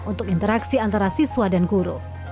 untuk interaksi antara siswa dan guru